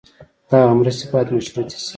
دغه مرستې باید مشروطې شي.